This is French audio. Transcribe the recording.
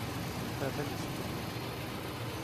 Ce n'est pas la peine de s'énerver.